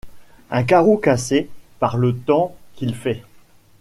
Un carreau cassé! par le temps qu’il fait !